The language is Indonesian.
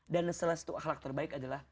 dan salah satu ahlak terbaik adalah